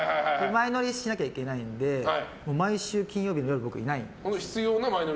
前乗りしなきゃいけないんで毎週金曜日の夜僕、いないんですよ。